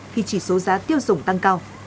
khi chỉ số giá tiêu dùng tăng cao